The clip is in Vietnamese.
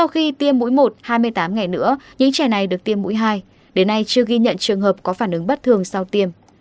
sau khi tiêm mũi một hai mươi tám ngày nữa những trẻ này được tiêm mũi hai đến nay chưa ghi nhận trường hợp có phản ứng bất thường sau tiêm